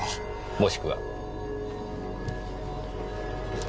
もしくは。